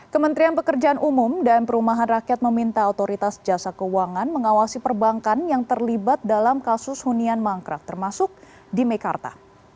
kementerian pekerjaan umum dan perumahan rakyat meminta otoritas jasa keuangan mengawasi perbankan yang terlibat dalam kasus hunian mangkrak termasuk di mekarta